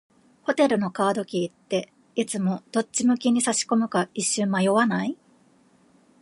ホテルのカードキーって、いつもどっち向きに差し込むか一瞬迷わない？